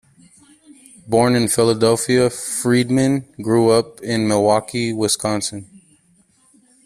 Born in Philadelphia, Freedman grew up in Milwaukee, Wisconsin.